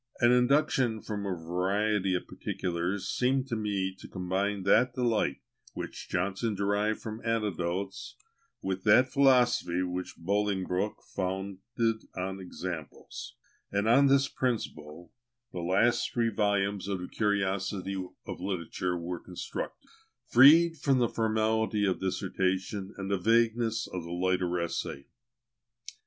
An induction from a variety of particulars seemed to me to combine that delight, which Johnson derived from anecdotes, with that philosophy which Bolingbroke founded on examples; and on this principle the last three volumes of the "Curiosities of Literature" were constructed, freed from the formality of dissertation, and the vagueness of the lighter essay.